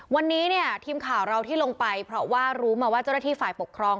วันนี้เนี่ยทีมข่าวเราที่ลงไปเพราะว่ารู้มาว่าเจ้าหน้าที่ฝ่ายปกครอง